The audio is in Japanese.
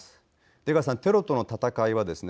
出川さん、テロとの戦いはですね